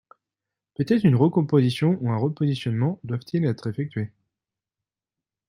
Peut-être une recomposition ou un repositionnement doivent-ils être effectués.